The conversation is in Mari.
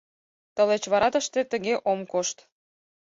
Тылеч вара тыште тыге ом кошт.